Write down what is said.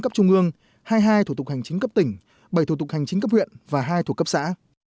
cấp trung ương hai mươi hai thủ tục hành chính cấp tỉnh bảy thủ tục hành chính cấp huyện và hai thuộc cấp xã